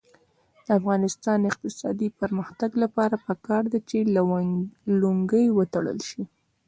د افغانستان د اقتصادي پرمختګ لپاره پکار ده چې لونګۍ وتړل شي.